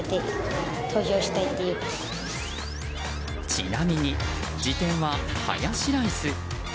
ちなみに次点はハヤシライス。